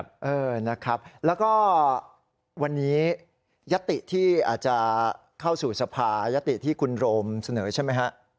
เพราะวันนี้ยติที่อาจจะเข้าสู่สภายติที่คุณโรมเสนอใช่ไหมครับ